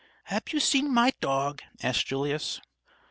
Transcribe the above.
"Hab you seen my dog?" asked Julius.